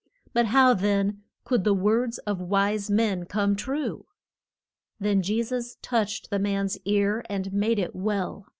But how then could the words of wise men come true? Then Je sus touched the man's ear and made it well.